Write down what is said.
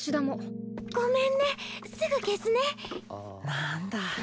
なんだ。